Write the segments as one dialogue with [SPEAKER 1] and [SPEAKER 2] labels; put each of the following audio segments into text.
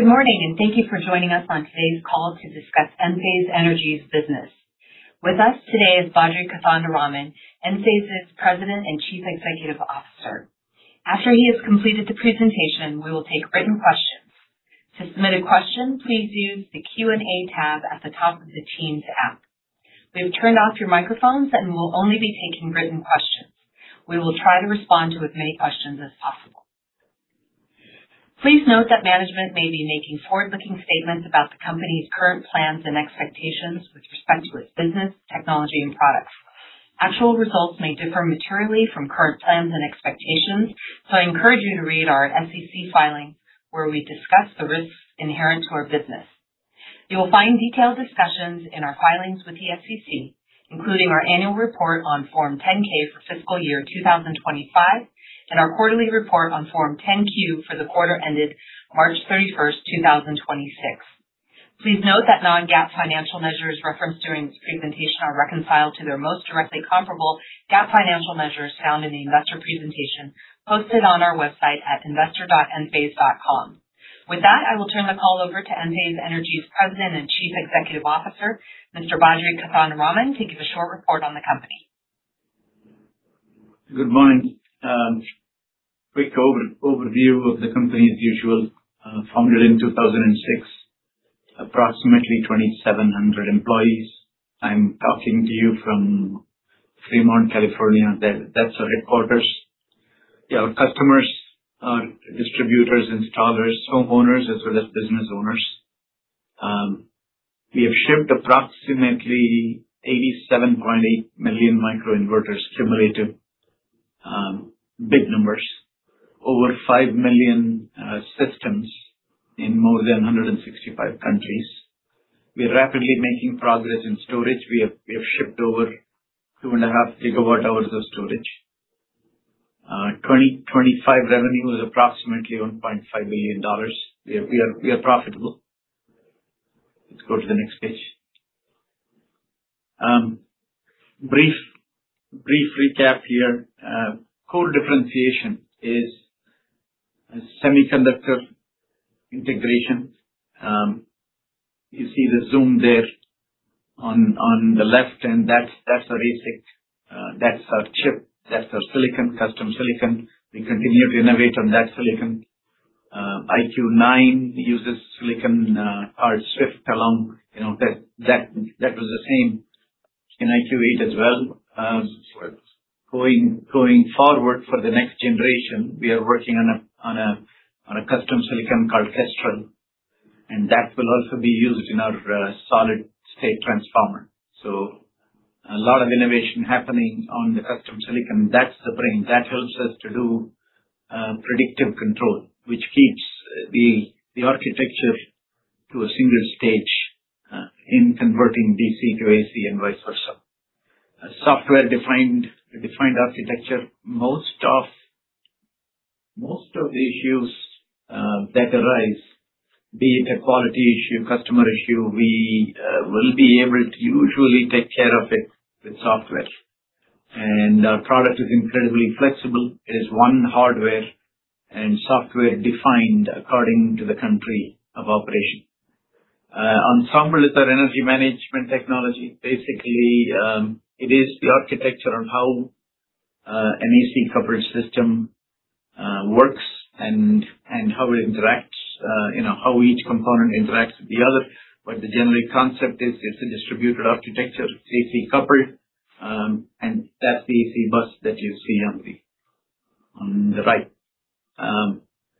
[SPEAKER 1] Good morning, and thank you for joining us on today's call to discuss Enphase Energy's business. With us today is Badri Kothandaraman, Enphase's President and Chief Executive Officer. After he has completed the presentation, we will take written questions. To submit a question, please use the Q&A tab at the top of the team to ask. We've turned off your microphones, and we'll only be taking written questions. We will try to respond to as many questions as possible. Please note that management may be making forward-looking statements about the company's current plans and expectations with respect to its business, technology, and products. Actual results may differ materially from current plans and expectations, so I encourage you to read our SEC filing, where we discuss the risks inherent to our business. You will find detailed discussions in our filings with the SEC, including our annual report on Form 10-K for fiscal year 2025 and our quarterly report on Form 10-Q for the quarter ended March 31st, 2026. Please note that non-GAAP financial measures referenced during this presentation are reconciled to their most directly comparable GAAP financial measures found in the investor presentation posted on our website at investor.enphase.com. With that, I will turn the call over to Enphase Energy's President and Chief Executive Officer, Mr. Badri Kothandaraman, to give a short report on the company.
[SPEAKER 2] Good morning. Quick overview of the company's usual. Founded in 2006. Approximately 2,700 employees. I'm talking to you from Fremont, California. That's our headquarters. Our customers are distributors, installers, homeowners, as well as business owners. We have shipped approximately 87.8 million microinverters cumulative, big numbers. Over 5 million systems in more than 165 countries. We are rapidly making progress in storage. We have shipped over 2.5 GW hours of storage. 2025 revenue was approximately $1.5 billion. We are profitable. Let's go to the next page. Brief recap here. Core differentiation is a semiconductor integration. You see the zoom there on the left, and that's our ASIC. That's our chip. That's our silicon, custom silicon. We continue to innovate on that silicon. IQ9 uses silicon, our Swift column. You know, that was the same in IQ8 as well. Going forward for the next generation, we are working on a custom silicon called Kestrel, and that will also be used in our Solid-State Transformer. A lot of innovation happening on the custom silicon. That's the brain. That helps us to do predictive control, which keeps the architecture to a single stage in converting DC to AC and vice versa. A software-defined architecture. Most of the issues that arise, be it a quality issue, customer issue, we will be able to usually take care of it with software. Our product is incredibly flexible. It is one hardware and software-defined according to the country of operation. Ensemble is our energy management technology. Basically, it is the architecture on how an AC coupled system works and how it interacts, you know, how each component interacts with the other. The general concept is it's a distributed architecture, AC coupled, and that's the AC bus that you see on the right.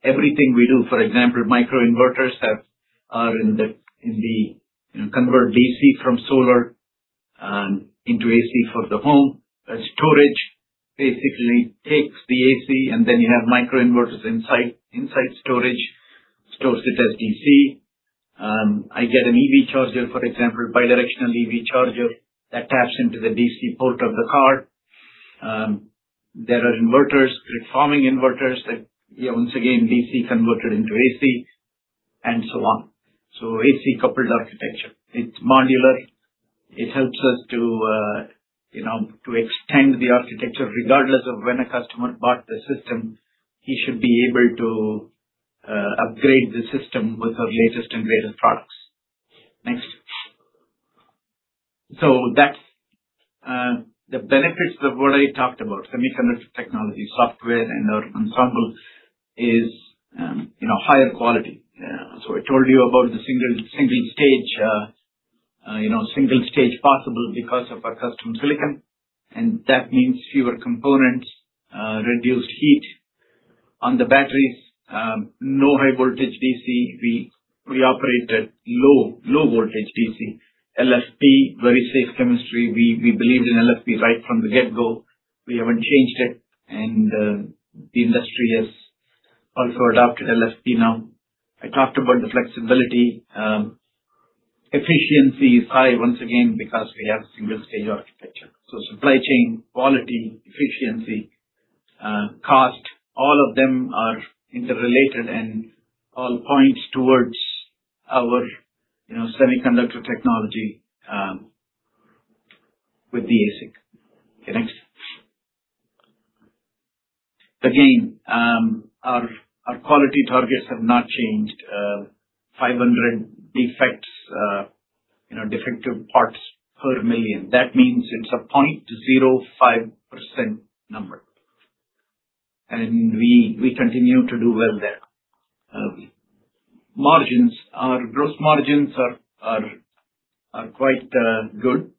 [SPEAKER 2] Everything we do, for example, microinverters are in the, you know, convert DC from solar into AC for the home. Storage basically takes the AC, then you have microinverters inside storage, stores it as DC. I get an EV charger, for example, bidirectional EV charger that taps into the DC port of the car. There are inverters, grid forming inverters that, you know, once again, DC converted into AC, and so on. AC coupled architecture. It's modular. It helps us to extend the architecture. Regardless of when a customer bought the system, he should be able to upgrade the system with our latest and greatest products. Next. That's the benefits of what I talked about, semiconductor technology, software, and our Ensemble is higher quality. I told you about the single stage possible because of our custom silicon, and that means fewer components, reduced heat on the batteries. No high voltage DC. We operate at low voltage DC. LFP, very safe chemistry. We believed in LFP right from the get-go. We haven't changed it. The industry has also adopted LFP now. I talked about the flexibility. Efficiency is high once again because we have single stage architecture. Supply chain, quality, efficiency, cost, all of them are interrelated and all points towards our, you know, semiconductor technology with the ASIC. Okay, next slide. Again, our quality targets have not changed. 500 defects, you know, defective parts per million. That means it's a 0.05% number. We continue to do well there. Margins. Our gross margins are quite good.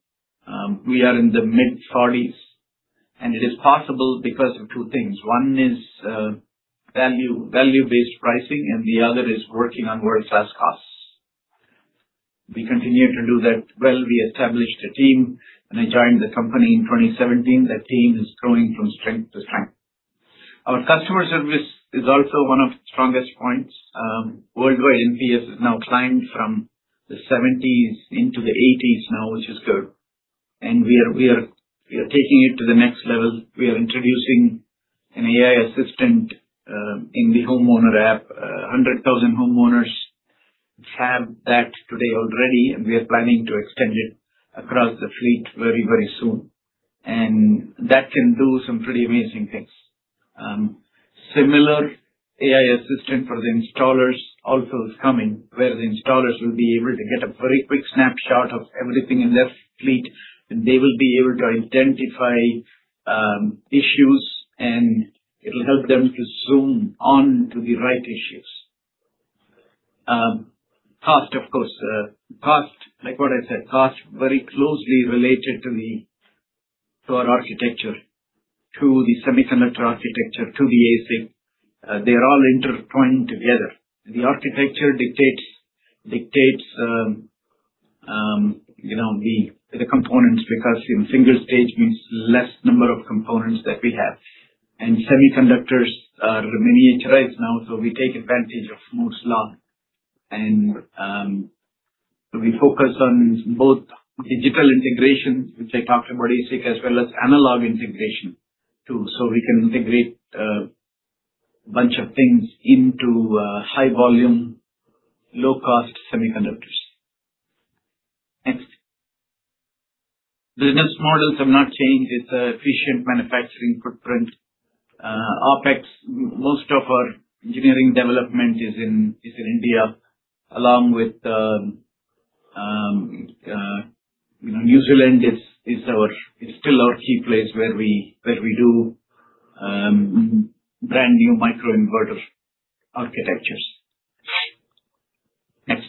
[SPEAKER 2] We are in the mid-40s. It is possible because of two things. One is value-based pricing. The other is working on world-class costs. We continue to do that well. We established a team when I joined the company in 2017. That team is growing from strength to strength. Our customer service is also one of the strongest points. Worldwide NPS has climbed from the 70s into the 80s, which is good. We are taking it to the next level. We are introducing an AI assistant in the homeowner app. 100,000 homeowners have that today already. We are planning to extend it across the fleet very soon. That can do some pretty amazing things. Similar AI assistant for the installers also is coming, where the installers will be able to get a very quick snapshot of everything in their fleet, and they will be able to identify issues, and it'll help them to zoom on to the right issues. Cost of course. Cost, like what I said, cost very closely related to our architecture, to the semiconductor architecture, to the ASIC. They are all interpointing together. The architecture dictates, you know, the components because in single stage means less number of components that we have. Semiconductors are miniaturized now, so we take advantage of Moore's Law. We focus on both digital integration, which I talked about ASIC, as well as analog integration too. We can integrate a bunch of things into high volume, low cost semiconductors. Next. The business models have not changed. It's a efficient manufacturing footprint. OpEx, most of our engineering development is in India, along with, you know, New Zealand is our It's still our key place where we do brand new microinverter architectures. Next.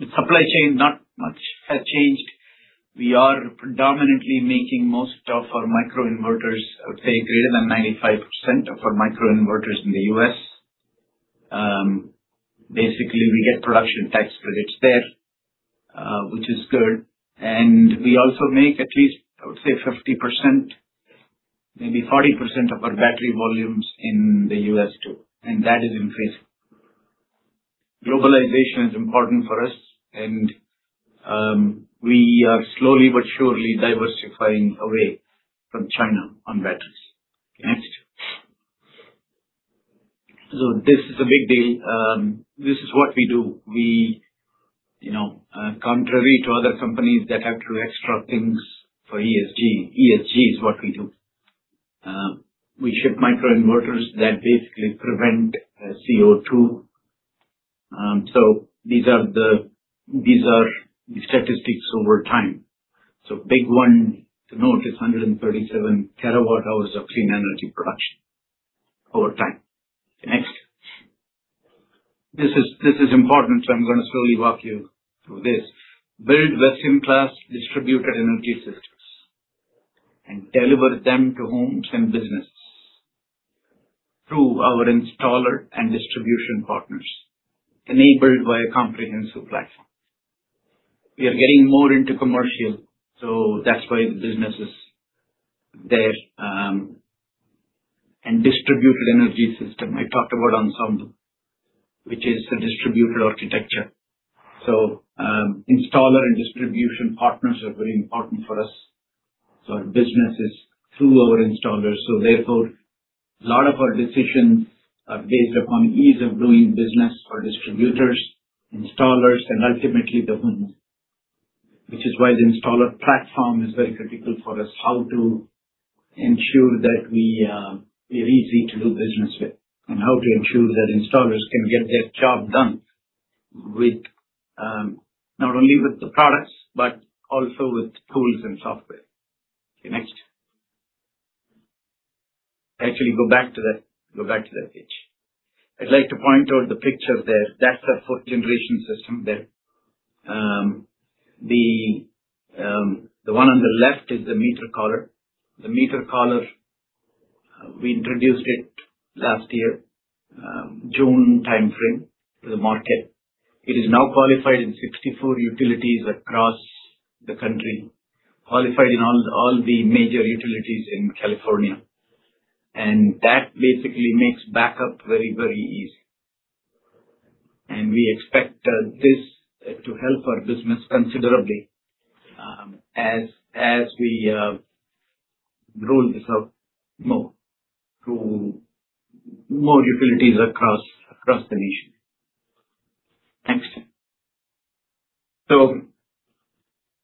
[SPEAKER 2] The supply chain, not much has changed. We are predominantly making most of our microinverters, I would say greater than 95% of our microinverters in the U.S. Basically, we get production tax credits there, which is good. We also make at least, I would say 50%, maybe 40% of our battery volumes in the U.S. too, and that is increasing. Globalization is important for us and we are slowly but surely diversifying away from China on batteries. Next. This is a big deal. This is what we do. We, you know, contrary to other companies that have to do extra things for ESG is what we do. We ship microinverters that basically prevent CO2. These are the statistics over time. Big one to note is 137 TWh of clean energy production over time. Next. This is important. I'm going to slowly walk you through this. Build best-in-class distributed energy systems and deliver them to homes and business through our installer and distribution partners, enabled by a comprehensive platform. We are getting more into commercial, that's why business is there. Distributed energy system. I talked about Ensemble, which is a distributor architecture. Installer and distribution partners are very important for us. Our business is through our installers, therefore, a lot of our decisions are based upon ease of doing business for distributors, installers, and ultimately the homeowner. Which is why the installer platform is very critical for us. How to ensure that we're easy to do business with, and how to ensure that installers can get their job done with not only with the products, but also with tools and software. Okay, next. Actually, go back to that page. I'd like to point out the picture there. That's our fourth generation system there. The one on the left is the IQ Meter Collar. The IQ Meter Collar we introduced it last year, June timeframe to the market. It is now qualified in 64 utilities across the country. Qualified in all the major utilities in California. That basically makes backup very, very easy. We expect this to help our business considerably as we roll this out more to more utilities across the nation.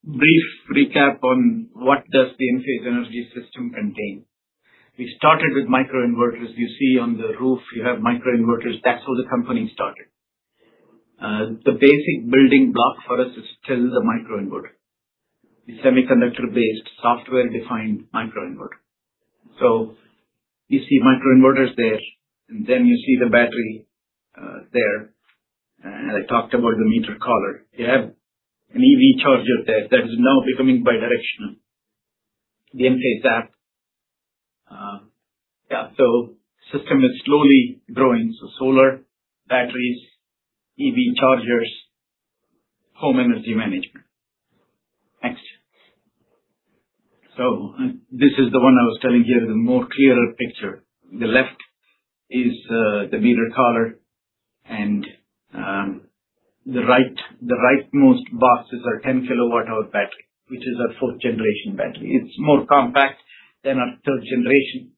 [SPEAKER 2] Brief recap on what does the Enphase Energy system contain. We started with microinverters. You see on the roof, you have microinverters. That's how the company started. The basic building block for us is still the microinverter. The semiconductor-based, software-defined microinverter. You see microinverters there, and then you see the battery there. I talked about the Meter Collar. You have an EV charger there that is now becoming bi-directional. The Enphase App. Yeah. System is slowly growing. Solar, batteries, EV chargers, home energy management. Next. This is the one I was telling here, the more clearer picture. The left is the meter collar and the right, the rightmost boxes are 10 kWh battery, which is our fourth-generation battery. It's more compact than our third-generation.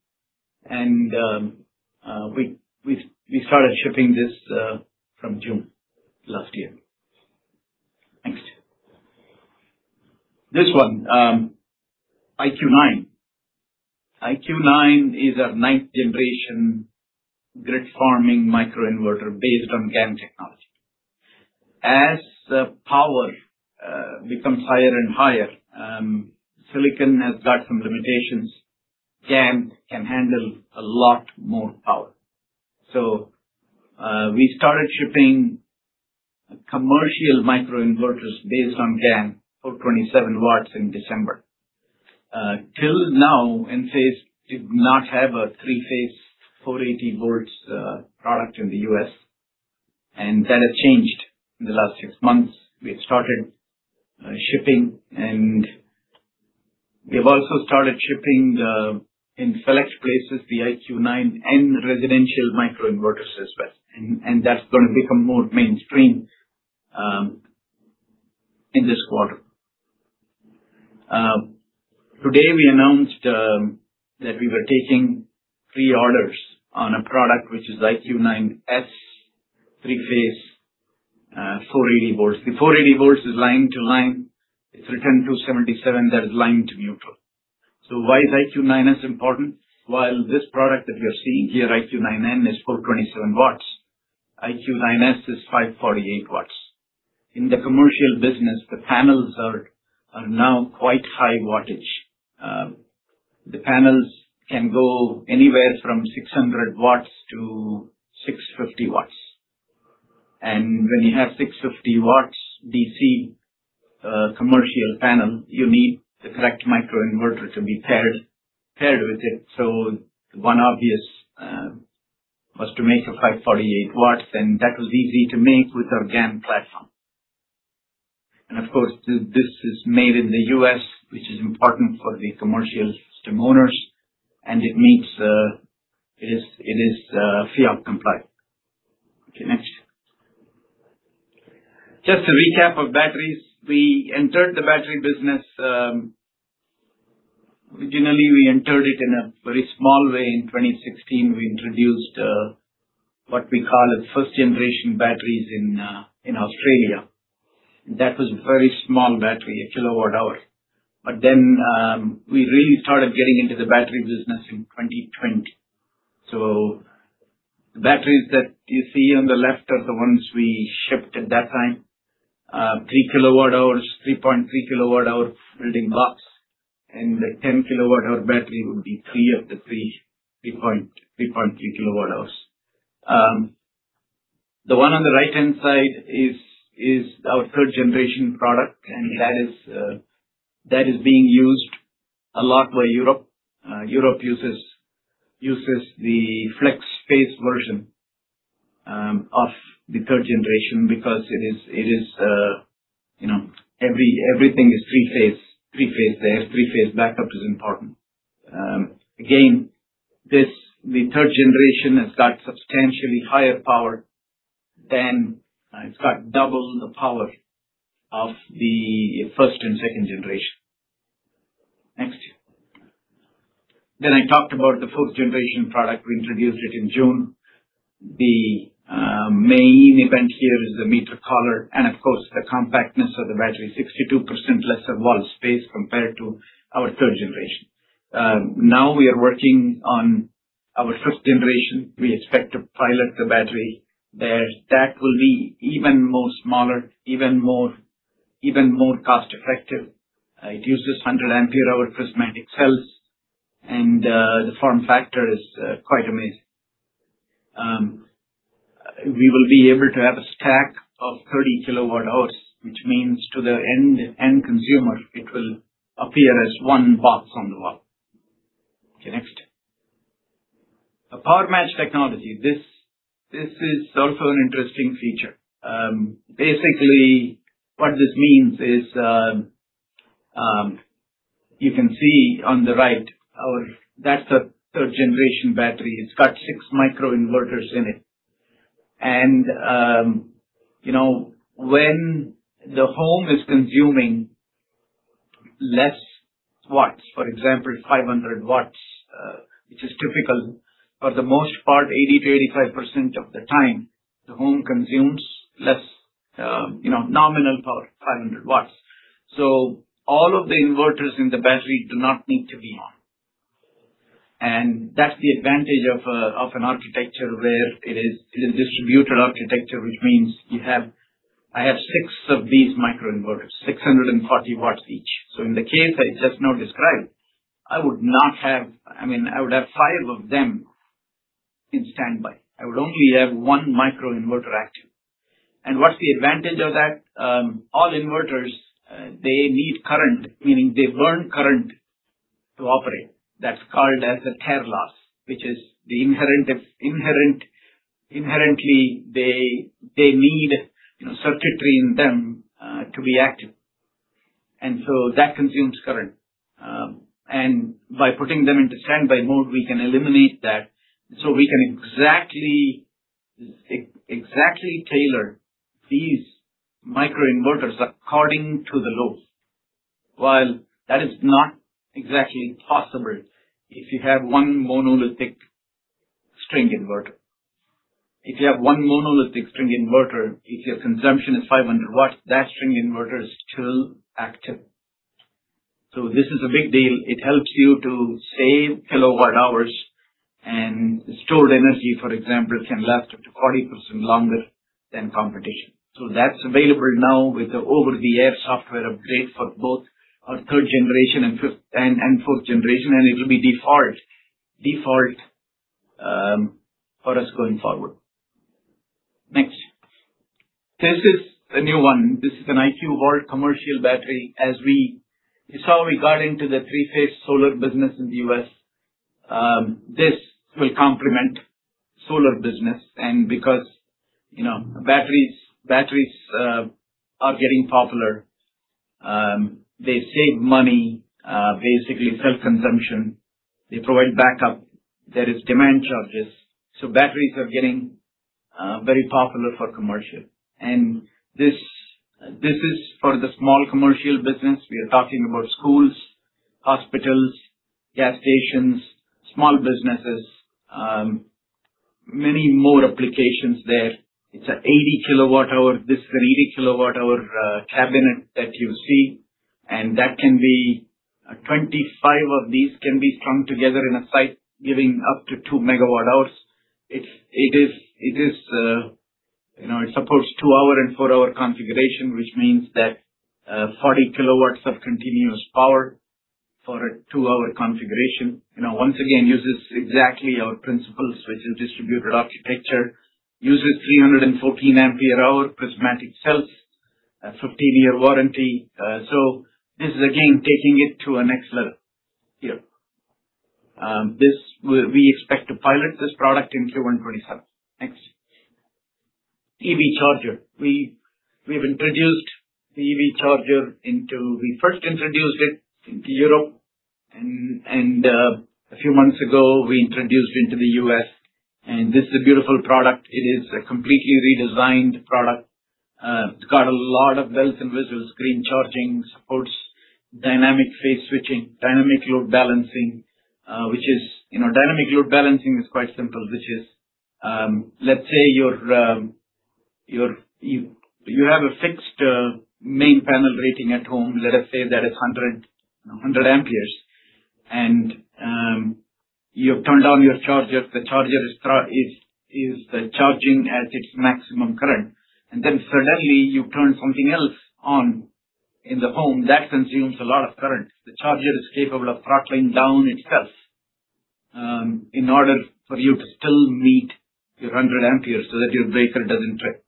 [SPEAKER 2] We started shipping this from June last year. Next. This one, IQ9. IQ9 is our ninth-generation grid-forming microinverter based on GaN technology. As the power becomes higher and higher, silicon has got some limitations. GaN can handle a lot more power. We started shipping commercial microinverters based on GaN for 27 W in December. Till now, Enphase did not have a three-phase, 480 V product in the U.S., that has changed in the last six months. We have started shipping, and we have also started shipping the, in select places, the IQ9 N residential microinverters as well. That's gonna become more mainstream in this quarter. Today we announced that we were taking pre-orders on a product which is IQ9 S-3P, 480 V. The 480 V is line to line. It's written 277, that is line to neutral. Why is IQ9 S important? This product that we are seeing here, IQ9 N, is for 27 W, IQ9 S is 548 W. In the commercial business, the panels are now quite high wattage. The panels can go anywhere from 600 W to 650 W. When you have 650 watts DC, commercial panel, you need the correct microinverter to be paired with it. One obvious was to make a 548 W, and that was easy to make with our GaN platform. Of course, this is made in the U.S., which is important for the commercial system owners, and it meets, it is FIPS compliant. Okay, next. Just a recap of batteries. We entered the battery business. Originally, we entered it in a very small way in 2016. We introduced what we call it first generation batteries in Australia. That was a very small battery, a kilowatt hour. Then we really started getting into the battery business in 2020. The batteries that you see on the left are the ones we shipped at that time. 3 kWh, 3.3 kWh building blocks. The 10 kWh battery would be 3 kWh of the 3.3 kWh. The one on the right-hand side is our third generation product, and that is being used a lot by Europe. Europe uses the flex space version of the third generation because it is, you know, everything is three-phase there. Three-phase backup is important. Again, the third generation has got substantially higher power than it's got double the power of the first and second generation. Next. I talked about the 4th-generation product. We introduced it in June. The main event here is the Meter Collar and of course the compactness of the battery, 62% less of wall space compared to our 3rd-generation. Now we are working on our 5th-generation. We expect to pilot the battery there. That will be even more smaller, even more cost-effective. It uses 100 Ah prismatic cells, and the form factor is quite amazing. We will be able to have a stack of 30 kWh, which means to the end consumer, it will appear as one box on the wall. Okay, next. The PowerMatch technology. This is also an interesting feature. Basically, what this means is, you can see on the right That's a 3rd-generation battery. It's got six microinverters in it. You know, when the home is consuming less watts, for example, 500 W. Which is typical for the most part, 80%-85% of the time, the home consumes less, you know, nominal power, 500 W. All of the inverters in the battery do not need to be on. That's the advantage of an architecture where it is distributed architecture, which means you have I have six of these microinverters, 640 W each. In the case I just now described, I mean, I would have 5 of them in standby. I would only have one microinverter active. What's the advantage of that? All inverters, they need current, meaning they burn current to operate. That's called as the tear loss, which is inherently, they need, you know, circuitry in them to be active. That consumes current. By putting them into standby mode, we can eliminate that. We can exactly tailor these micro inverters according to the load. While that is not exactly possible if you have one monolithic string inverter. If you have one monolithic string inverter, if your consumption is 500 W, that string inverter is still active. This is a big deal. It helps you to save kilowatt hours and stored energy, for example, can last up to 40% longer than competition. That's available now with the over-the-air software upgrade for both our third generation and fourth generation, and it will be default for us going forward. Next. This is a new one. This is an IQ Battery commercial battery. As how we got into the three-phase solar business in the U.S., this will complement solar business. Because, you know, batteries are getting popular, they save money, basically self-consumption, they provide backup. There is demand charges, batteries are getting very popular for commercial. This is for the small commercial business. We are talking about schools, hospitals, gas stations, small businesses, many more applications there. It's a 80 kWh. This is an 80 kWh cabinet that you see, 25 of these can be strung together in a site, giving up to 2 MWh. It is, you know, it supports two hour and four hour configuration, which means that 40 kW of continuous power for a two hour configuration. You know, once again, uses exactly our principles, which is distributed architecture. Uses 314 Ah prismatic cells, a 15-year warranty. This is again taking it to a next level here. This we expect to pilot this product in Q1 2027. Next. EV charger. We've introduced the EV charger into Europe and a few months ago, we introduced into the U.S. This is a beautiful product. It is a completely redesigned product. It's got a lot of bells and whistles. Screen charging, supports dynamic phase switching, dynamic load balancing, which is, you know, dynamic load balancing is quite simple, which is, let's say your, you have a fixed main panel rating at home. Let us say that is 100 A. You've turned on your charger. The charger is charging at its maximum current. Suddenly you turn something else on in the home that consumes a lot of current. The charger is capable of throttling down itself in order for you to still meet your 100 A so that your breaker doesn't trip.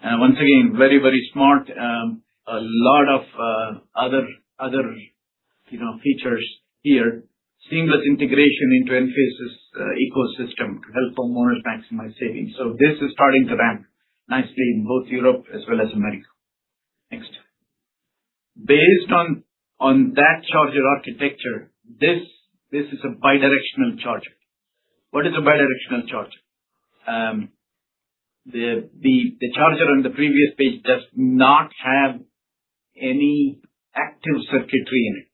[SPEAKER 2] Once again, very smart. A lot of other, you know, features here. Seamless integration into Enphase's ecosystem to help homeowners maximize savings. This is starting to ramp nicely in both Europe as well as America. Next. Based on that charger architecture, this is a bidirectional charger. What is a bidirectional charger? The charger on the previous page does not have any active circuitry in it.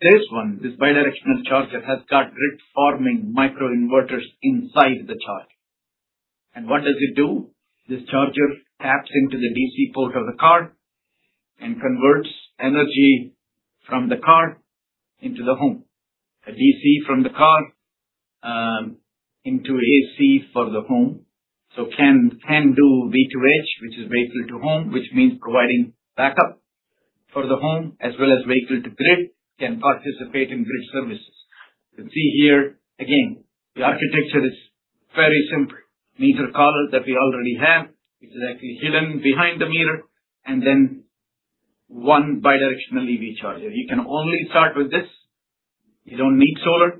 [SPEAKER 2] This one, this bidirectional charger, has got grid-forming microinverters inside the charger. What does it do? This charger taps into the DC port of the car and converts energy from the car into the home. DC from the car into AC for the home. Can do V2H, which is vehicle to home, which means providing backup for the home as well as vehicle to grid, can participate in grid services. You can see here again, the architecture is very simple. IQ Meter Collar that we already have. It is actually hidden behind the meter. Then one bidirectional EV charger. You can only start with this. You don't need solar.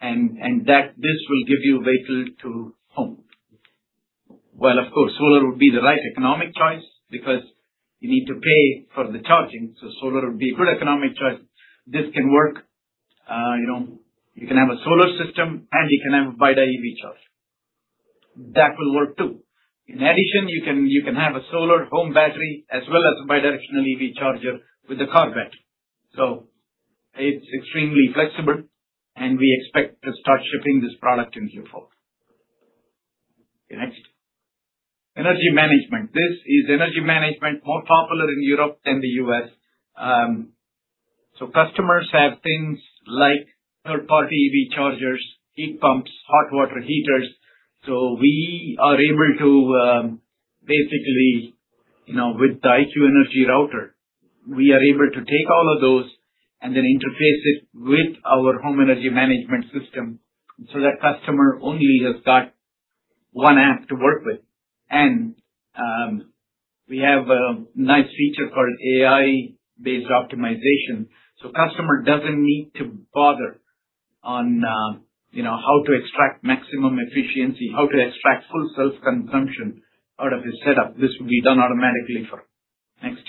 [SPEAKER 2] This will give you vehicle to home. Of course, solar would be the right economic choice because you need to pay for the charging, so solar would be a good economic choice. This can work. You know, you can have a solar system and you can have a bi-di EV charger. That will work too. You can have a solar home battery as well as a bidirectional EV charger with a car battery. It's extremely flexible, and we expect to start shipping this product in Q4. Okay, next. Energy management. This is energy management, more popular in Europe than the U.S. Customers have things like third-party EV chargers, heat pumps, hot water heaters. We are able to, basically, you know, with the IQ Energy Router, we are able to take all of those and then interface it with our home energy management system, so that customer only has got one app to work with. We have a nice feature called AI-based optimization, so customer doesn't need to bother on, you know, how to extract maximum efficiency, how to extract full self-consumption out of his setup. This will be done automatically for him. Next.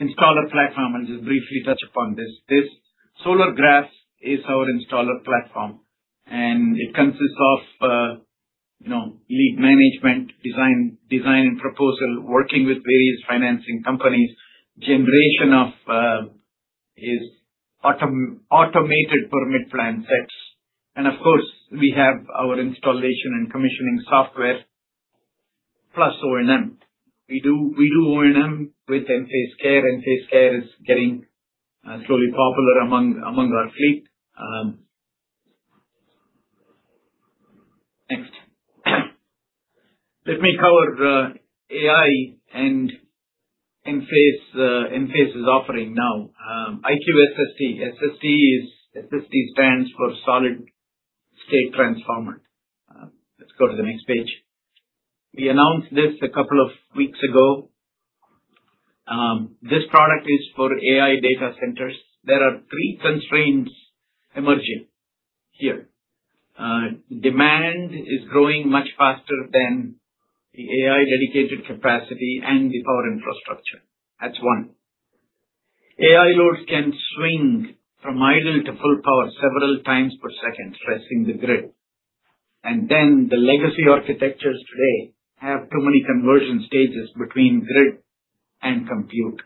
[SPEAKER 2] Installer platform. I'll just briefly touch upon this. This Solargraf is our installer platform, and it consists of, you know, lead management, design and proposal, working with various financing companies. Generation of automated permit plan sets. Of course, we have our installation and commissioning software, plus O&M. We do O&M with Enphase Care. Enphase Care is getting slowly popular among our fleet. Next. Let me cover AI and Enphase. Enphase is offering now IQ SST. SST stands for Solid-State Transformer. Let's go to the next page. We announced this a couple of weeks ago. This product is for AI data centers. There are three constraints emerging here. Demand is growing much faster than the AI dedicated capacity and the power infrastructure. That's one. AI loads can swing from idle to full power several times per second, stressing the grid. The legacy architectures today have too many conversion stages between grid and compute.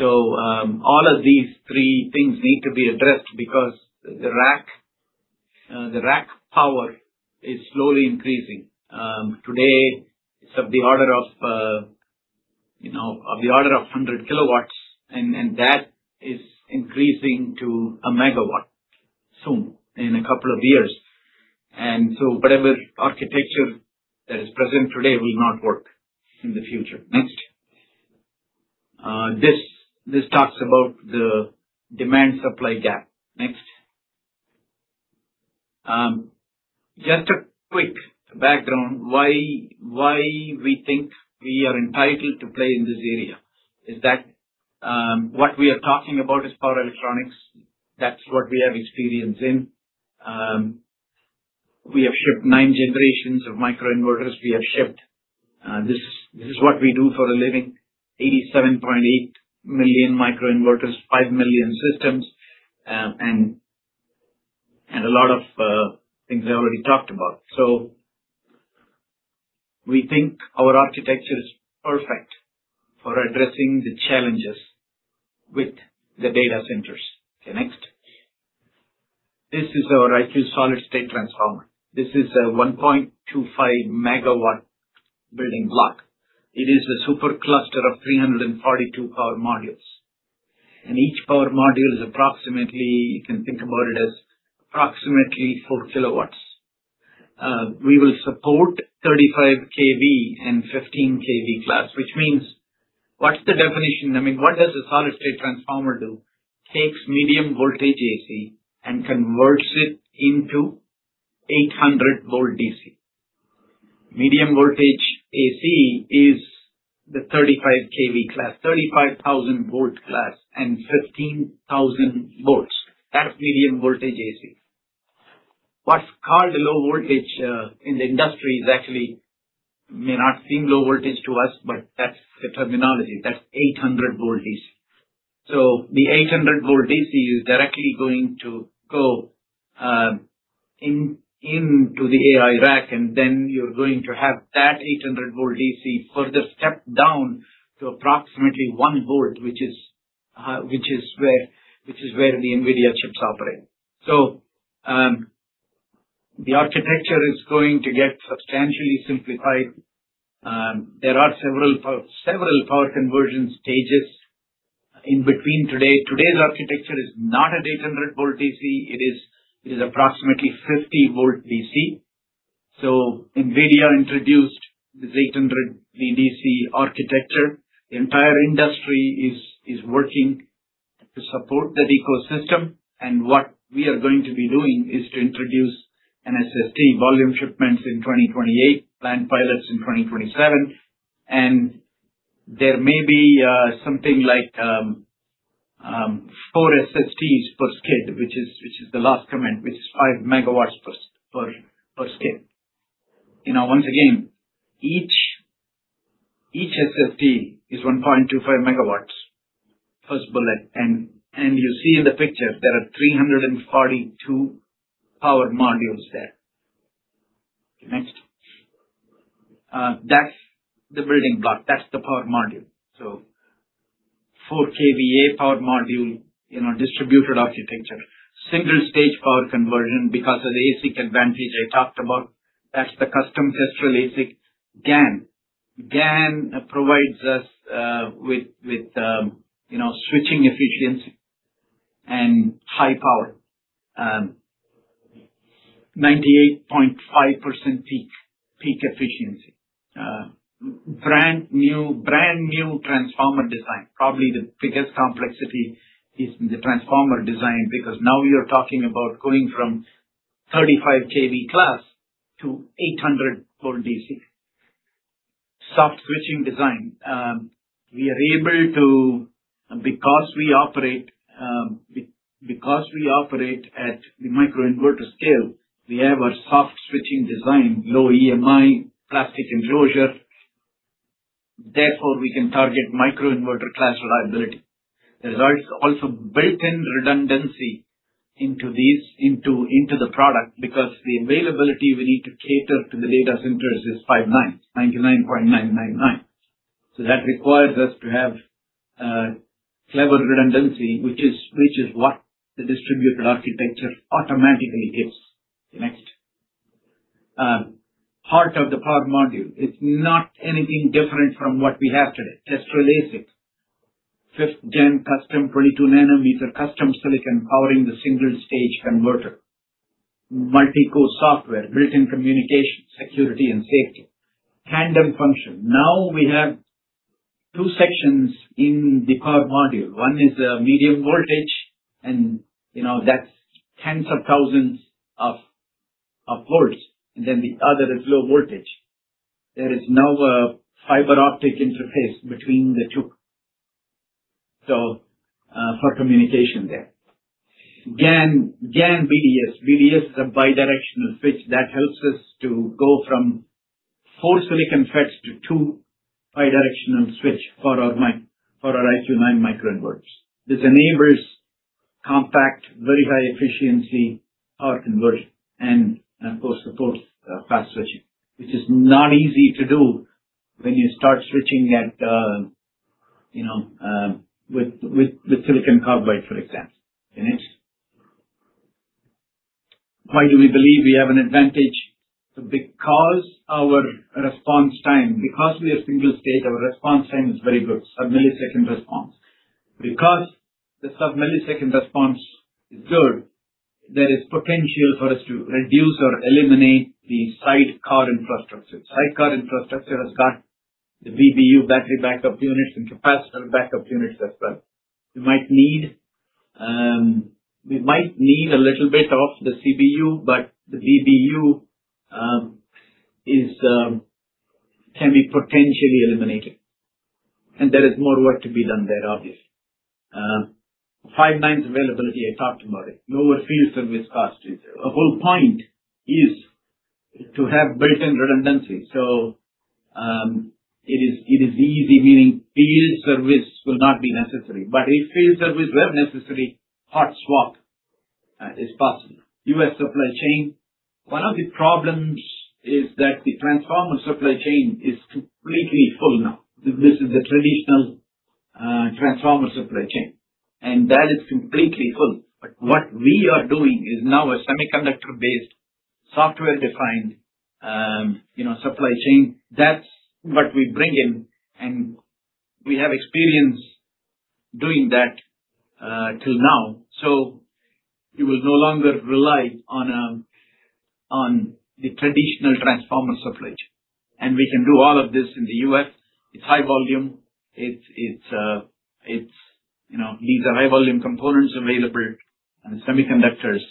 [SPEAKER 2] All of these three things need to be addressed because the rack power is slowly increasing. Today, it's of the order of 100 kW, that is increasing to a megawatt soon, in a couple of years. Whatever architecture that is present today will not work in the future. Next. This talks about the demand-supply gap. Next. Just a quick background, why we think we are entitled to play in this area is that what we are talking about is power electronics. That's what we have experience in. We have shipped nine generations of microinverters. We have shipped, this is what we do for a living. 87.8 million microinverters, 5 million systems, a lot of things I already talked about. We think our architecture is perfect for addressing the challenges with the data centers. Next. This is our IQ Solid-State Transformer. This is a 1.25 MW building block. It is a super cluster of 342 power modules. Each power module is approximately, you can think about it as approximately 4 kW. We will support 35 kV and 15 kV class, which means What's the definition? I mean, what does a Solid-State Transformer do? Takes medium voltage AC and converts it into 800 V DC. Medium voltage AC is the 35 kV class, 35,000 V class and 15,000 V. That's medium voltage AC. What's called low voltage in the industry is actually may not seem low voltage to us, but that's the terminology. That's 800 V DC. The 800 V DC is directly going to go into the AI rack, and then you're going to have that 800 V DC further stepped down to approximately 1 V, which is where the NVIDIA chips operate. The architecture is going to get substantially simplified. There are several power conversion stages in between today. Today's architecture is not an 800 V DC, it is approximately 50 V DC. NVIDIA introduced this 800 V DC architecture. The entire industry is working to support that ecosystem. What we are going to be doing is to introduce an SST volume shipments in 2028, plan pilots in 2027. There may be something like four SSTs per skid, which is the last comment, which is 5 MW per skid. You know, once again, each SST is 1.25 MW. First bullet. You see in the picture there are 342 power modules there. Next. That's the building block. That's the power module. Four KVA power module, you know, distributed architecture. Single-stage power conversion because of the ASIC advantage I talked about. That's the custom Kestrel ASIC. GaN. GaN provides us with, you know, switching efficiency and high power. 98.5% peak efficiency. Brand new transformer design. Probably the biggest complexity is in the transformer design because now we are talking about going from 35 kV class to 800 V DC. Soft switching design. Because we operate at the microinverter scale, we have a soft switching design, low EMI, plastic enclosure. We can target microinverter class reliability. There's also built-in redundancy into the product because the availability we need to cater to the data centers is five nines, 99.999%. That requires us to have clever redundancy, which is what the distributed architecture automatically gives. Next. Heart of the power module. It's not anything different from what we have today. Kestrel ASIC. 5th-gen custom 22 nm custom silicon powering the single-stage converter. Multi-core software. Built-in communication, security, and safety. Tandem function. We have two sections in the power module. One is a medium voltage, you know, that's tens of thousands of volts. The other is low voltage. There is now a fiber optic interface between the two for communication there. GaN BDS. BDS is a bidirectional switch that helps us to go from four silicon FETs to two bidirectional switch for our IQ9 microinverters. This enables compact, very high efficiency power conversion and of course, supports fast switching, which is not easy to do when you start switching at, you know, with silicon carbide, for example. Next. Why do we believe we have an advantage? Because our response time, because we are single-stage, our response time is very good. Sub-millisecond response. Because the sub-millisecond response is good, there is potential for us to reduce or eliminate the sidecar infrastructure. Sidecar infrastructure has got the BBU battery backup units and capacitor backup units as well. We might need a little bit of the CBU, but the BBU is can be potentially eliminated. There is more work to be done there, obviously. Five nines availability, I talked about it. Lower field service cost is a whole point, is to have built-in redundancy. It is easy, meaning field service will not be necessary. If field service were necessary, hot swap is possible. U.S. supply chain. One of the problems is that the transformer supply chain is completely full now. This is the traditional transformer supply chain, and that is completely full. What we are doing is now a semiconductor-based, software-defined, you know, supply chain. That's what we bring in, we have experience doing that till now. It will no longer rely on the traditional transformer supply chain. We can do all of this in the U.S. It's high volume. It's, you know, needs a high volume components available and semiconductors,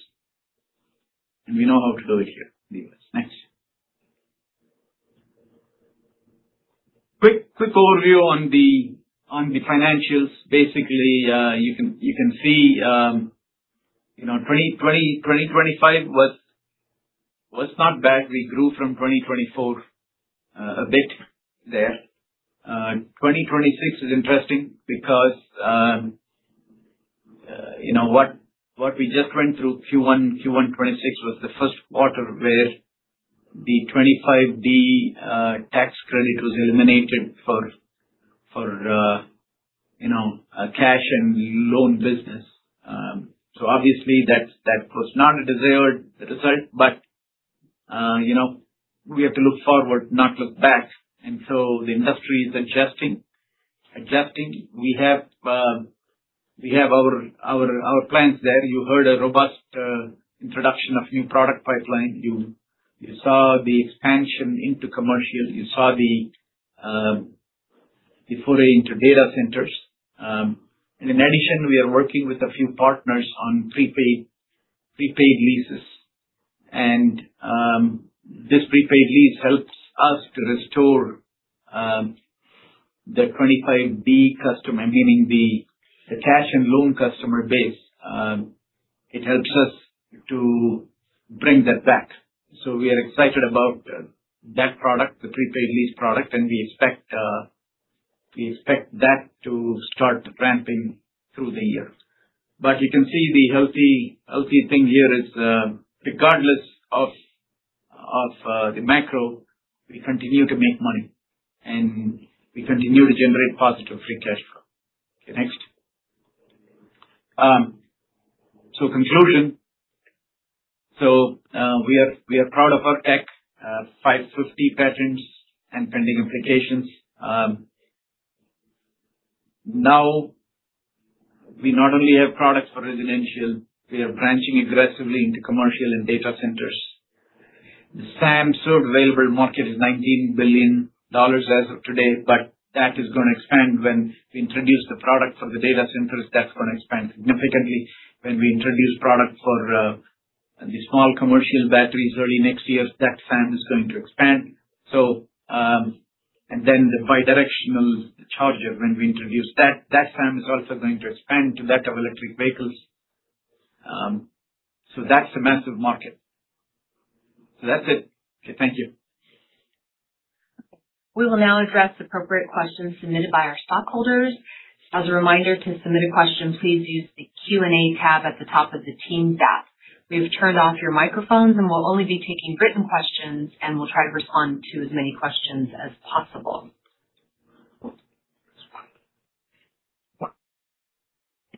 [SPEAKER 2] and we know how to do it here in the U.S. Next. Quick overview on the financials. Basically, you can see, you know, 2020-2025 was not bad. We grew from 2024 a bit there. 2026 is interesting because, you know, what we just went through Q1 2026 was the first quarter where the 25D tax credit was eliminated for, you know, cash and loan business. Obviously that's, that was not a desired result but, you know, we have to look forward, not look back. The industry is adjusting. We have our plans there. You heard a robust introduction of new product pipeline. You saw the expansion into commercial. You saw the foray into data centers. In addition, we are working with a few partners on prepaid leases. This prepaid lease helps us to restore the 25D customer, meaning the cash and loan customer base. It helps us to bring that back. We are excited about that product, the prepaid lease product, and we expect that to start ramping through the year. You can see the healthy thing here is, regardless of the macro, we continue to make money and we continue to generate positive free cash flow. Okay, next. Conclusion. We are proud of our tech, 550 patents and pending applications. Now, we not only have products for residential, we are branching aggressively into commercial and data centers. The SAM served available market is $19 billion as of today, that is gonna expand when we introduce the product for the data centers, that is gonna expand significantly. When we introduce product for the small commercial batteries early next year, that SAM is going to expand. The bi-directional charger, when we introduce that SAM is also going to expand to that of electric vehicles. That is a massive market. That's it. Okay. Thank you.
[SPEAKER 1] We will now address appropriate questions submitted by our stockholders. As a reminder, to submit a question, please use the Q&A tab at the top of the Teams app. We've turned off your microphones, and we'll only be taking written questions, and we'll try to respond to as many questions as possible.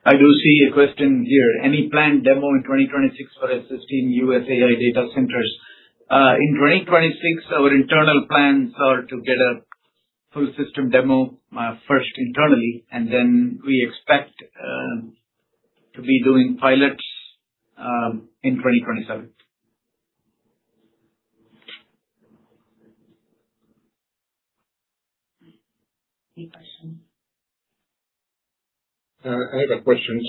[SPEAKER 2] I do see a question here. Any planned demo in 2026 for SST U.S. AI data centers? In 2026, our internal plans are to get a full system demo first internally, and then we expect to be doing pilots in 2027.
[SPEAKER 1] Any questions?
[SPEAKER 3] I have a question.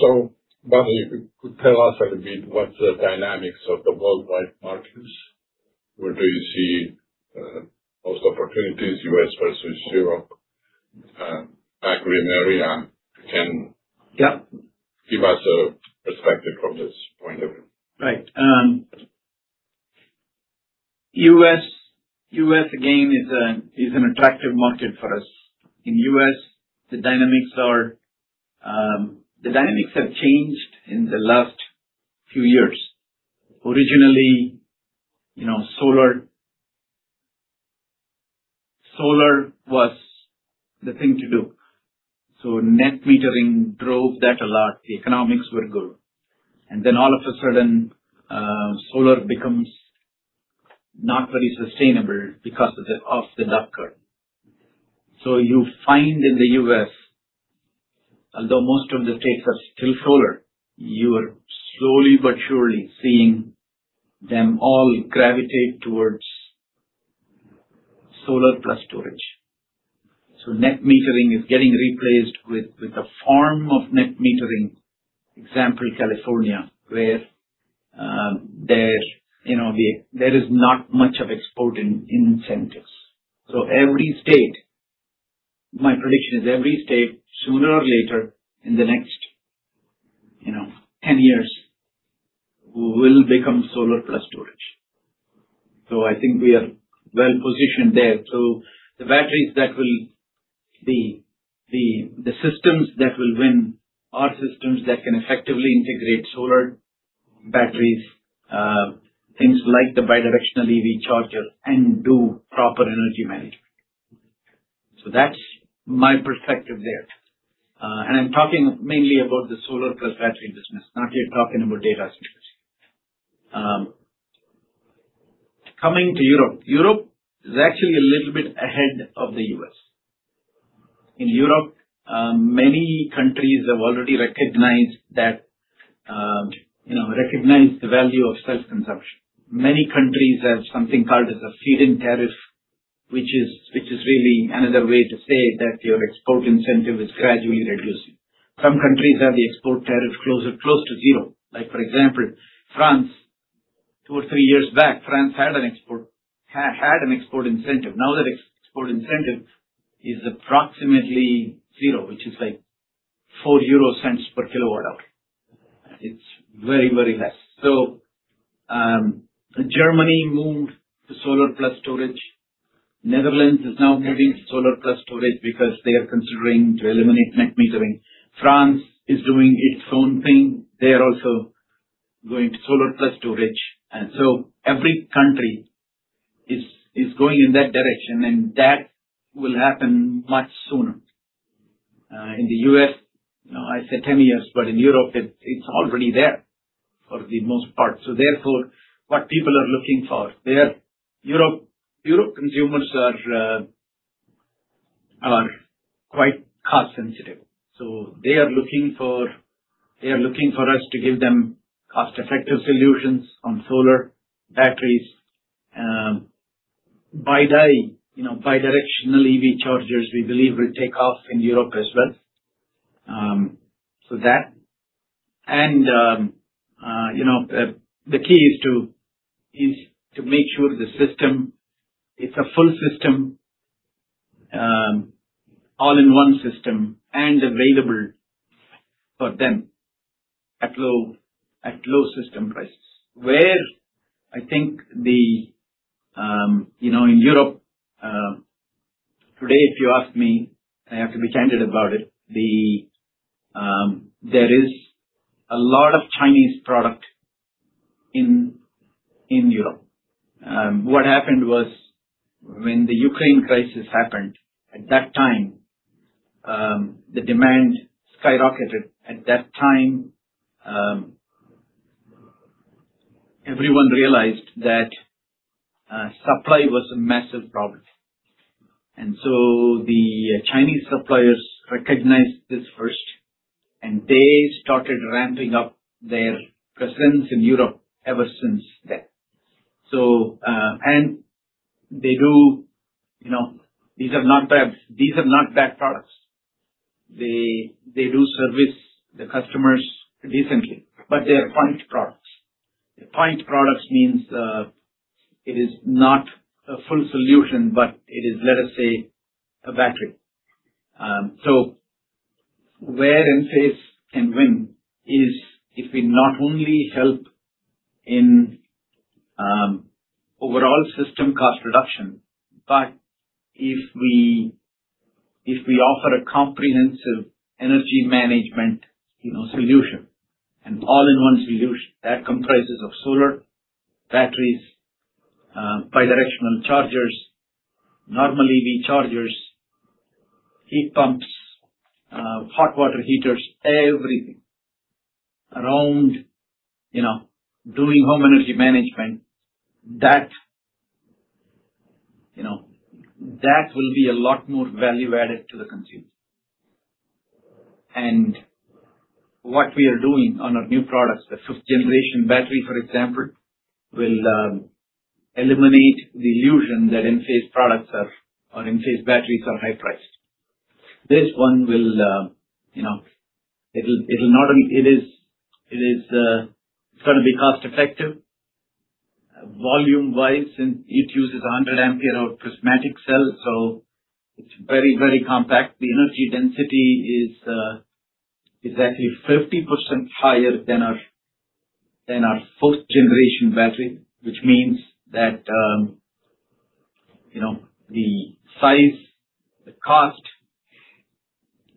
[SPEAKER 3] Badri, if you could tell us a little bit what's the dynamics of the worldwide markets. Where do you see most opportunities, U.S. versus Europe battery area?
[SPEAKER 2] Yeah.
[SPEAKER 3] Give us a perspective from this point of view.
[SPEAKER 2] Right. U.S., again, is an attractive market for us. In U.S., the dynamics are, the dynamics have changed in the last few years. Originally, you know, solar was the thing to do. Net metering drove that a lot. The economics were good. All of a sudden, solar becomes not very sustainable because of the duck curve. You find in the U.S., although most of the states are still solar, you are slowly but surely seeing them all gravitate towards solar plus storage. Net metering is getting replaced with a form of net metering. Example, California, where, you know, there is not much of export in incentives. Every state, my prediction is every state, sooner or later in the next, you know, 10 years, will become solar plus storage. I think we are well-positioned there. The systems that will win are systems that can effectively integrate solar batteries, things like the bi-directional EV chargers and do proper energy management. That's my perspective there. I'm talking mainly about the solar plus battery business, not yet talking about data centers. Coming to Europe. Europe is actually a little bit ahead of the U.S. In Europe, many countries have already recognized that, you know, recognized the value of self-consumption. Many countries have something called as a feed-in tariff, which is really another way to say that your export incentive is gradually reducing. Some countries have the export tariff close to zero. Like for example, France. Two or three years back, France had an export incentive. Now that export incentive is approximately zero, which is like 0.04 per kilowatt hour. It's very, very less. Germany moved to solar plus storage. Netherlands is now moving to solar plus storage because they are considering to eliminate net metering. France is doing its own thing. They are also going to solar plus storage. Every country is going in that direction, and that will happen much sooner. In the U.S., you know, I said 10 years, but in Europe it's already there for the most part. Therefore, what people are looking for there, Europe consumers are quite cost sensitive. They are looking for us to give them cost-effective solutions on solar batteries. Bi-di, you know, bi-directional EV chargers, we believe will take off in Europe as well. You know, the key is to make sure the system, it's a full system, all-in-one system and available for them at low system price. You know, in Europe, today, if you ask me, I have to be candid about it. There is a lot of Chinese product in Europe. What happened was when the Ukraine crisis happened, at that time, the demand skyrocketed. At that time, everyone realized that supply was a massive problem. The Chinese suppliers recognized this first, and they started ramping up their presence in Europe ever since then. You know, these are not bad products. They do service the customers decently, but they are point products. Point products means it is not a full solution, but it is, let us say, a battery. Where Enphase can win is if we not only help in overall system cost reduction, but if we offer a comprehensive energy management, you know, solution, an all-in-one solution that comprises of solar, batteries, bidirectional chargers, normal EV chargers, heat pumps, hot water heaters, everything around, you know, doing home energy management. That, you know, that will be a lot more value added to the consumer. What we are doing on our new products, the 5th-generation battery, for example, will eliminate the illusion that Enphase products are, or Enphase batteries are high priced. This one will, you know, it'll not only It is going to be cost-effective volume-wise, and it uses 100 A of prismatic cells, so it's very compact. The energy density is actually 50% higher than our 4th-generation battery, which means that, you know, the size, the cost,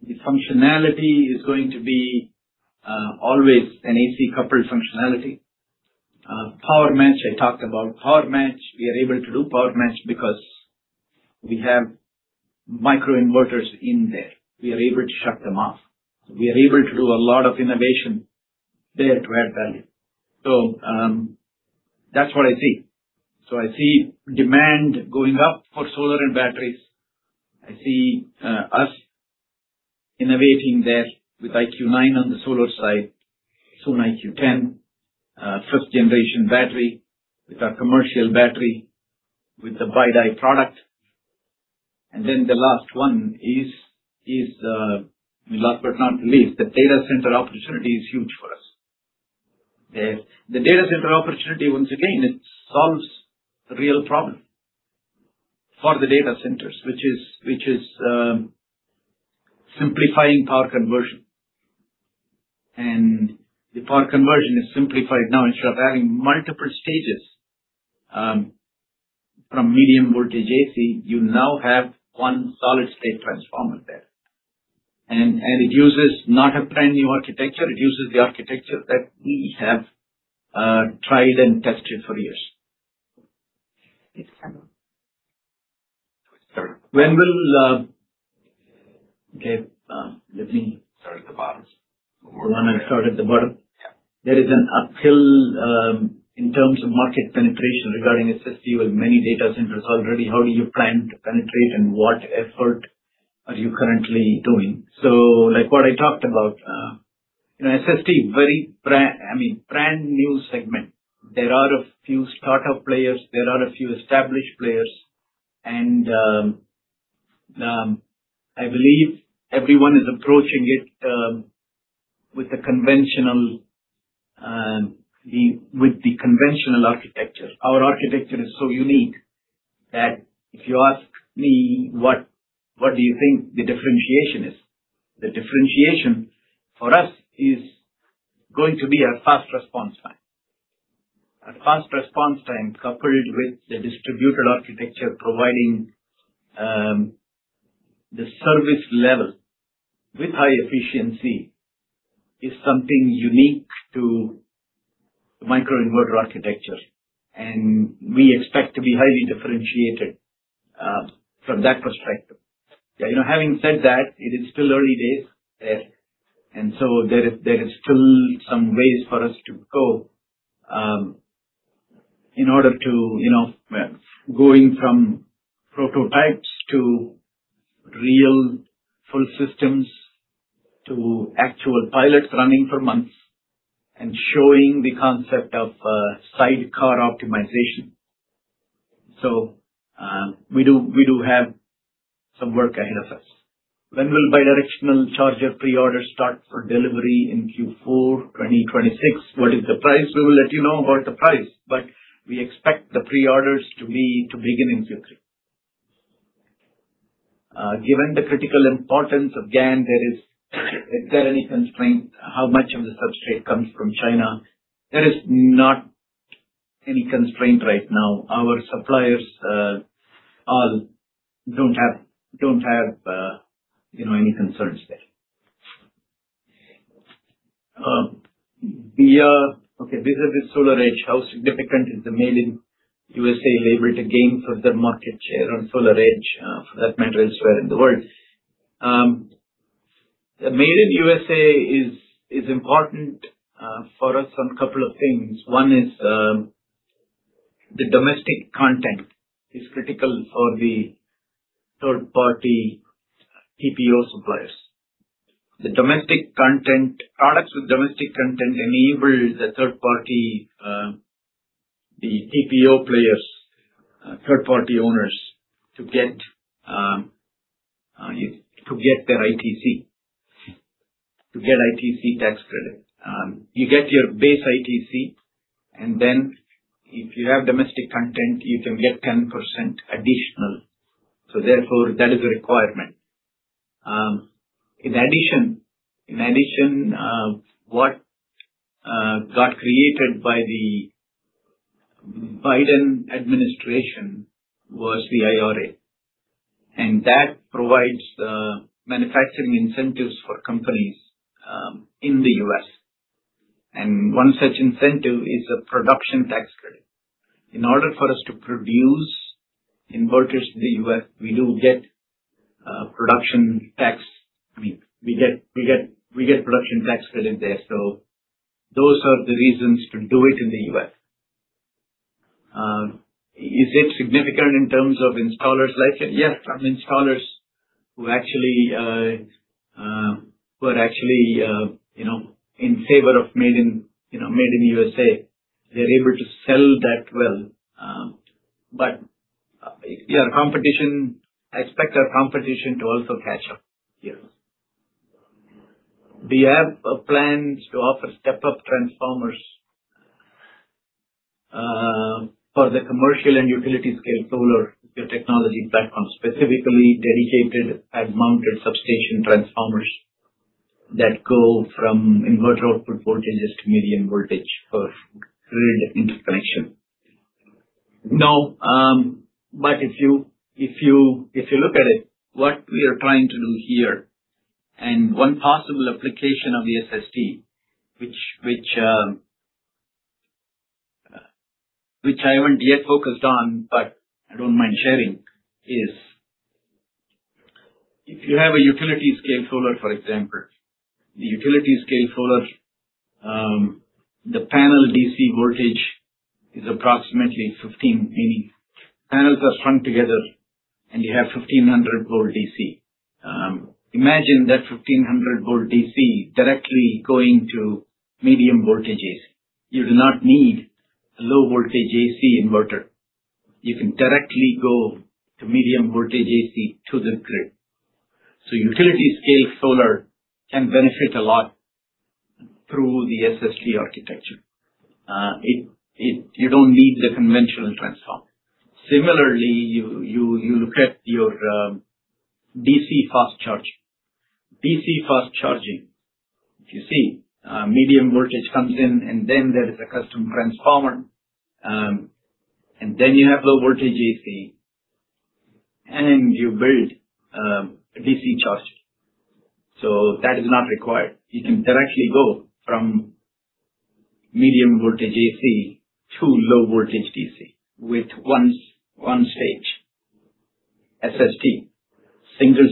[SPEAKER 2] the functionality is going to be always an AC-coupled functionality. PowerMatch, I talked about. PowerMatch, we are able to do PowerMatch because we have microinverters in there. We are able to shut them off. We are able to do a lot of innovation there to add value. That's what I see. I see demand going up for solar and batteries. I see us innovating there with IQ9 on the solar side. Soon, IQ10. 5th-generation battery with our commercial battery, with the bi-di product. The last one is last but not least, the data center opportunity is huge for us. The data center opportunity, once again, it solves a real problem for the data centers, simplifying power conversion. The power conversion is simplified now. Instead of having multiple stages, from medium voltage AC, you now have one Solid-State Transformer there. It uses not a brand new architecture, it uses the architecture that we have tried and tested for years. Thanks, Sarb. Sarb. When will Okay, Start at the bottom. You wanna start at the bottom? Yeah. There is an uphill in terms of market penetration regarding SST with many data centers already. How do you plan to penetrate, and what effort are you currently doing? Like what I talked about, you know, SST, I mean, brand new segment. There are a few startup players, there are a few established players, and I believe everyone is approaching it with the conventional, with the conventional architecture. Our architecture is so unique that if you ask me, "What, what do you think the differentiation is?" The differentiation for us is going to be our fast response time. Our fast response time coupled with the distributed architecture providing the service level with high efficiency is something unique to microinverter architecture, and we expect to be highly differentiated from that perspective. You know, having said that, it is still early days there is still some ways for us to go, in order to, you know, going from prototypes to real full systems, to actual pilots running for months and showing the concept of sidecar optimization. We do have some work ahead of us. When will bidirectional charger pre-order start for delivery in Q4 2026? What is the price? We will let you know about the price, we expect the pre-orders to begin in Q3. Given the critical importance of GaN, is there any constraint how much of the substrate comes from China? There is not any constraint right now. Our suppliers, all don't have, you know, any concerns there. We are Okay, vis-a-vis SolarEdge, how significant is the made in U.S.A. labor to gain further market share on SolarEdge, for that matter, elsewhere in the world? The made in U.S.A. is important for us on couple of things. One is, the domestic content is critical for the third-party TPO suppliers. Products with domestic content enable the third-party TPO players, third-party owners to get to get their ITC. To get ITC tax credit. You get your base ITC, if you have domestic content, you can get 10% additional. That is a requirement. In addition, what got created by the Biden administration was the IRA, that provides manufacturing incentives for companies in the U.S. One such incentive is a production tax credit. In order for us to produce inverters in the U.S., we do get production tax. We get production tax credit there. Those are the reasons to do it in the U.S. Is it significant in terms of installers like it? Yes, some installers who actually, who are actually, you know, in favor of made in, you know, made in U.S.A., they're able to sell that well. Competition, expect our competition to also catch up. Yes. Do you have plans to offer step-up transformers for the commercial and utility scale solar technology platform, specifically dedicated pad-mounted substation transformers that go from inverter output voltages to medium voltage for grid interconnection? No. If you look at it, what we are trying to do here, and one possible application of the SST, which I haven't yet focused on, but I don't mind sharing, is if you have a utility scale solar, for example. The utility scale solar, the panel DC voltage is approximately 15. Meaning panels are strung together, and you have 1,500 V DC. Imagine that 1,500 V DC directly going to medium voltages. You do not need a low voltage AC inverter. You can directly go to medium voltage AC to the grid. Utility scale solar can benefit a lot through the SST architecture. You don't need the conventional transformer. Similarly, you look at your DC fast charging. DC fast charging. If you see, medium voltage comes in, and then there is a custom transformer, and then you have low voltage AC, and then you build a DC charger. That is not required. You can directly go from medium voltage AC to low voltage DC with one stage SST, single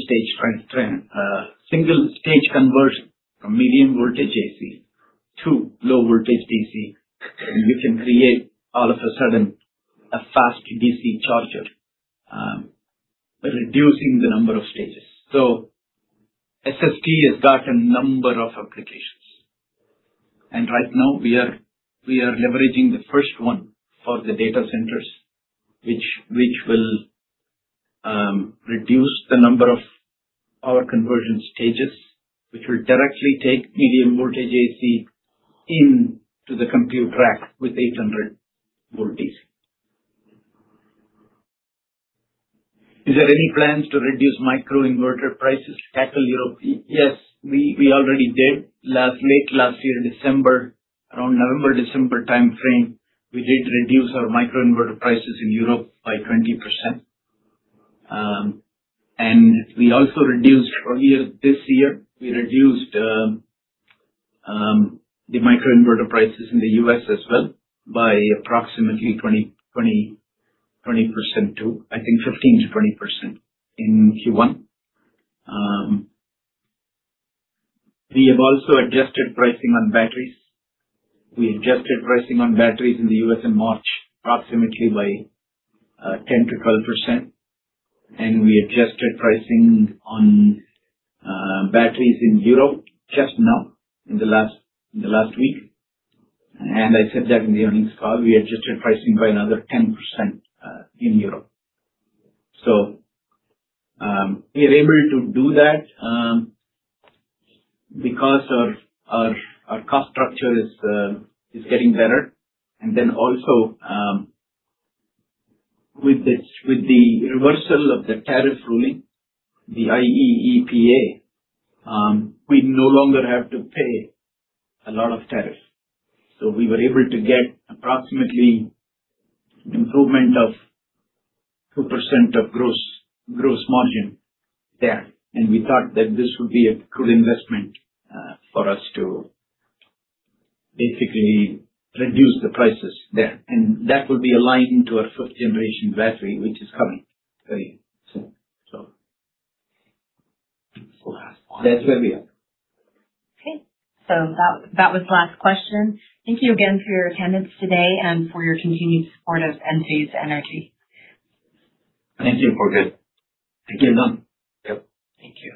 [SPEAKER 2] stage conversion from medium voltage AC to low voltage DC. You can create all of a sudden a fast DC charger, reducing the number of stages. SST has got a number of applications. Right now we are leveraging the first one for the data centers, which will reduce the number of power conversion stages, which will directly take medium voltage AC into the compute rack with 800 V. Is there any plans to reduce microinverter prices to tackle Europe? Yes, we already did late last year in December. Around November, December timeframe, we did reduce our microinverter prices in Europe by 20%. We also reduced earlier this year. We reduced the microinverter prices in the U.S. as well by approximately 20% too. I think 15%-20% in Q1. We have also adjusted pricing on batteries. We adjusted pricing on batteries in the U.S. in March approximately by 10%-12%. We adjusted pricing on batteries in Europe just now in the last week. I said that in the earnings call. We adjusted pricing by another 10% in Europe. We are able to do that because our cost structure is getting better. Also, with this, with the reversal of the tariff ruling, the IEEPA, we no longer have to pay a lot of tariff. We were able to get approximately improvement of 2% of gross margin there. We thought that this would be a good investment for us to basically reduce the prices there. That will be aligned to our 5th-generation battery, which is coming very soon. That's where we are.
[SPEAKER 1] Okay. That was the last question. Thank you again for your attendance today and for your continued support of Enphase Energy.
[SPEAKER 2] Thank you. We're good. Again, yep. Thank you.